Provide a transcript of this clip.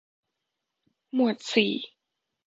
หมวดสี่